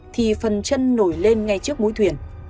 thì phần chân nổi lên ngay trước mũi thuyền